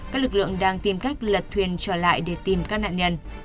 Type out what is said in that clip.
các lực lượng đang tìm cách lật thuyền trở lại để tìm các nạn nhân